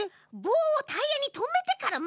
ぼうをタイヤにとめてから？